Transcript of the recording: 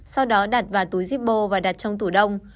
sau đó đặt vào túi zippo và đặt trong tủ đông